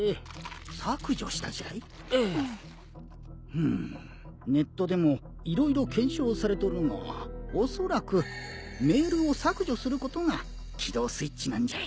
ふむネットでも色々検証されとるがおそらくメールを削除することが起動スイッチなんじゃい。